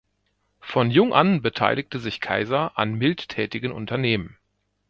Von jung an beteiligte sich Keyser an mildtätigen Unternehmen.